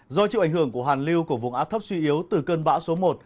do chịu ảnh hưởng của hàn lưu của vùng áp thấp suy yếu từ cơn bão số một